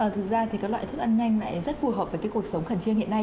thực ra thì các loại thức ăn nhanh lại rất phù hợp với cái cuộc sống khẩn trương hiện nay